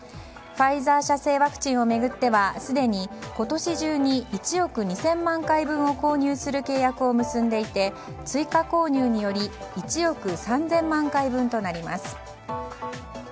ファイザー社製ワクチンを巡っては、すでに今年中に１億２０００万回分を購入する契約を結んでいて追加購入により１億３０００万回分となります。